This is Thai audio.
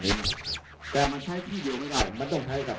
เมืองอัศวินธรรมดาคือสถานที่สุดท้ายของเมืองอัศวินธรรมดา